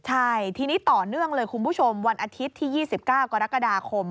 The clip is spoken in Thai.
ใช่ทีนี้ต่อเนื่องเลยคุณผู้ชมวันอาทิตย์ที่๒๙กรกฎาคม